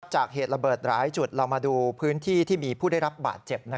เหตุระเบิดหลายจุดเรามาดูพื้นที่ที่มีผู้ได้รับบาดเจ็บ